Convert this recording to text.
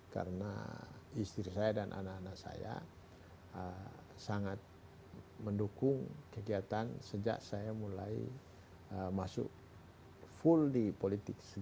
karena istri saya dan anak anak saya sangat mendukung kegiatan sejak saya mulai masuk full di politik